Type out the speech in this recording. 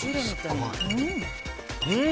うん！